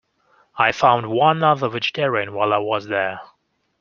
I found one other vegetarian while I was there.